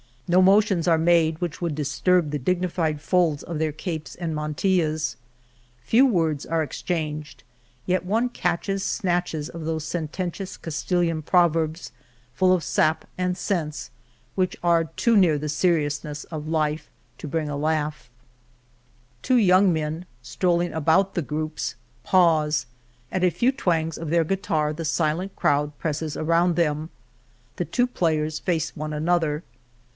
No motions are made which would disturb the dignified folds of their capes and miantil las. Few words are exchanged, yet one catches snatches of those sententious Castilian proverbs, full of sap and sense, which are too near the seriousness of life to bring a laugh. 130 In the City Hall Tower, Alcazar de San Juan, \ o 1 i l*t .'■ El Toboso Two young men strolling about the groups pause; at a few twangs of their guitar the silent crowd presses around them. The two players face one another.